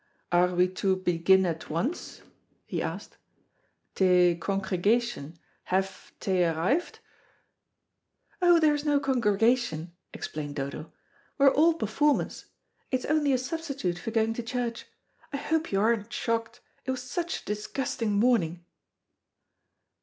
"Are we to begin at once?" he asked. "The congregation haf they arrived?" "Oh, there's no congregation," explained Dodo; "we are all performers. It is only a substitute for going to church. I hope you aren't shocked; it was such a disgusting morning."